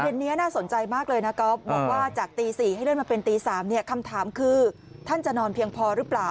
นี้น่าสนใจมากเลยนะก๊อฟบอกว่าจากตี๔ให้เลื่อนมาเป็นตี๓คำถามคือท่านจะนอนเพียงพอหรือเปล่า